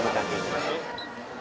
terus apa apa dan berhenti